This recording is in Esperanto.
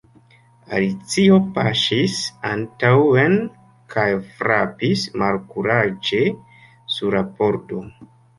Alicio paŝis antaŭen kaj frapis malkuraĝe sur la pordo.